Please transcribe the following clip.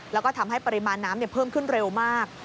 แล้วก็ทำให้ปริมาณน้ำเพิ่มขึ้นเร็วมาก